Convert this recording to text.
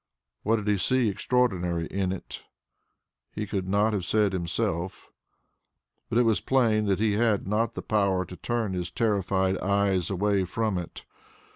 What did he see extraordinary in it? He could not have said himself, but it was plain that he had not the power to turn his terrified eyes away from it.